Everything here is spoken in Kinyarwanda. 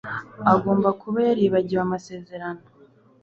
Agomba kuba yaribagiwe amasezerano